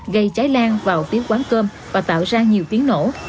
gây cháy lan vào tiếng quán cơm và tạo ra nhiều tiếng nổ